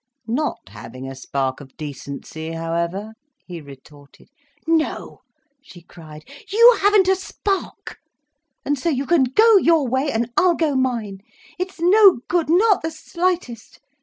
"Not having a spark of decency, however—" he retorted. "No," she cried, "you haven't a spark. And so you can go your way, and I'll go mine. It's no good, not the slightest.